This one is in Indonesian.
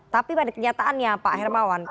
tapi pada kenyataannya pak hermawan